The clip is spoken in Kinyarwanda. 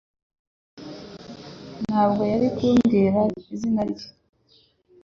Ntabwo yari kumbwira izina rye